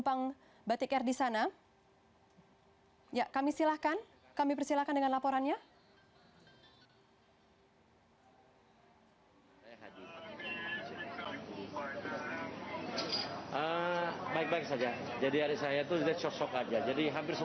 bapak bapak yang ada hanya shock aja